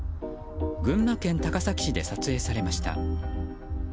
群馬県高崎市で撮影されました。